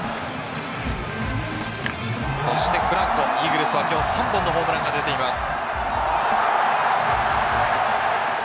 そしてフランコイーグルスは今日３本のホームランが出ています。